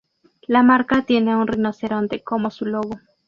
La marca tiene un Rinoceronte como su logo.